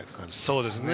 そうですね。